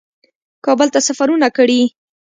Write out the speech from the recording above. کابل ته سفرونه کړي